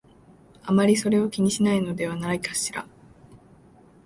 あまりそれを気にしないのではないかしら